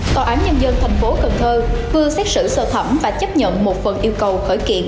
tòa án nhân dân tp cần thơ vừa xác xử sơ thẩm và chấp nhận một phần yêu cầu khởi kiện